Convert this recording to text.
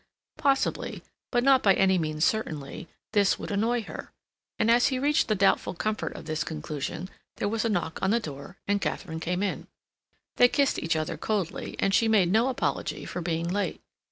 Possibly, but not by any means certainly, this would annoy her—and as he reached the doubtful comfort of this conclusion, there was a knock on the door and Katharine came in. They kissed each other coldly and she made no apology for being late.